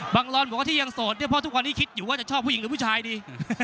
รอนบอกว่าที่ยังโสดเนี่ยเพราะทุกวันนี้คิดอยู่ว่าจะชอบผู้หญิงหรือผู้ชายดี